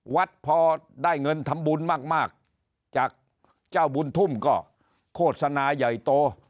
พอได้เงินทำบุญมากจากเจ้าบุญทุ่มก็โฆษณาใหญ่โต